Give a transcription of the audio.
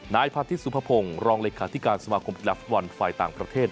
นายพาทิตสุภพงศ์รองเลขาธิการสมาคมกีฬาฟุตบอลฝ่ายต่างประเทศ